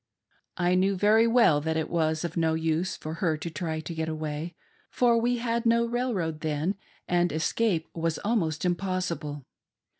" I knew Very well that it was of no use for her to try to get away, for we had no railroad then, and escape was almost impossible.